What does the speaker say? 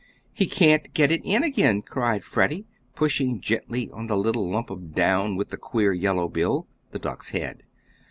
"He can't get it in again," cried Freddie, pushing gently on the little lump of down with the queer yellow bill the duck's head.